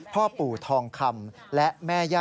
พ่อปู่ทองคำ